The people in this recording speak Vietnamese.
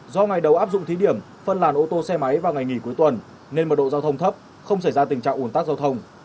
do ngày đầu áp dụng thí điểm phân làn ô tô xe máy vào ngày nghỉ cuối tuần nên mật độ giao thông thấp không xảy ra tình trạng ủn tắc giao thông